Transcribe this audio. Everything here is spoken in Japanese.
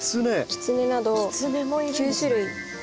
キツネなど９種類。